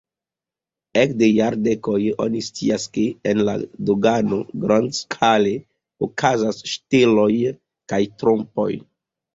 Ekde jardekoj oni scias, ke en la dogano grandskale okazas ŝteloj kaj trompoj.